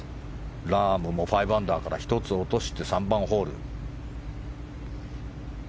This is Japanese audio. ラームも５アンダーから１つ落として３番ホール。